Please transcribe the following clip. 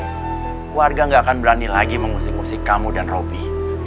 keluarga gak akan berani lagi mengusik usik kamu dan roby